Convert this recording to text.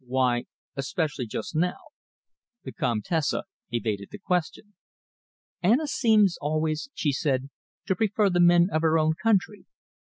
"Why 'especially just now'?" The Comtesse evaded the question. "Anna seemed always," she said, "to prefer the men of her own country.